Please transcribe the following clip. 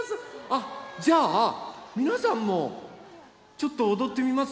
あっじゃあみなさんもちょっとおどってみます？